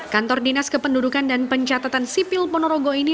kantor dinas kependudukan dan pencatatan sipil ponorogo ini